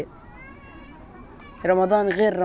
ketika kita di gaza